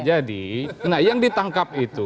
jadi nah yang ditangkap itu